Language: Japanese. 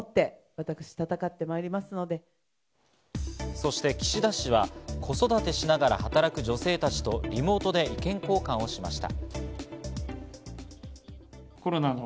そして岸田氏は子育てしながら働く女性たちとリモートで意見交換しました。